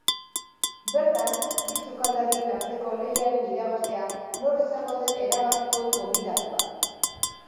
Bertan, bi sukaldarien arteko lehiaren irabazlea nor izango den erabakiko du gonbidatuak.